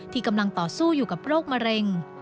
ที่กำลังต่อสู้อยู่กับโรคมะเร็ง